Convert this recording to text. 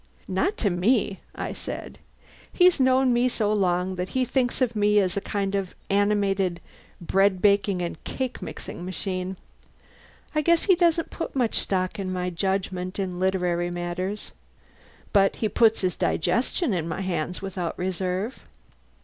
"Not to me," I said. "He's known me so long that he thinks of me as a kind of animated bread baking and cake mixing machine. I guess he doesn't put much stock in my judgment in literary matters. But he puts his digestion in my hands without reserve.